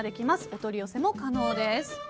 お取り寄せも可能です。